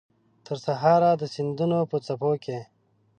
ترسهاره د سیندونو په څپو کې